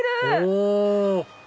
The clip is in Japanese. お！